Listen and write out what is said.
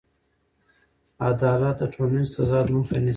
عدالت د ټولنیز تضاد مخه نیسي.